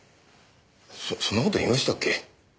そそんな事言いましたっけ？